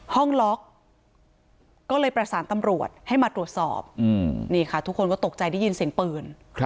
ห้องล็อกก็เลยประสานตำรวจให้มาตรวจสอบนี่ค่ะทุกคนก็ตกใจได้ยินเสียงปืน